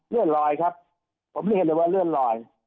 เลื่อนลอยครับผมไม่เห็นเลยว่าเลื่อนลอย